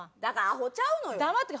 だからアホちゃうのよ。